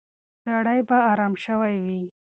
سړی به ارام شوی وي.